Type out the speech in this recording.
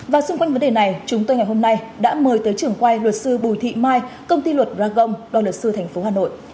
và xung quanh vấn đề này chúng tôi ngày hôm nay đã mời tới trưởng quay luật sư bùi thị mai công ty luật raong đoàn luật sư tp hà nội